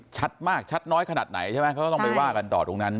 ชัดมากชัดน้อยขนาดไหนใช่ไหมเขาก็ต้องไปว่ากันต่อตรงนั้น